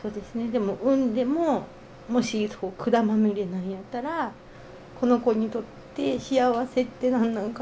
でも産んでももしそう管まみれなんやったらこの子にとって幸せってなんなのかなって。